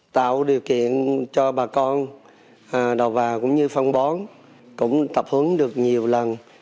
tạo điều kiện cho bà con đầu vào cũng như phân bón cũng tập hướng được nhiều lần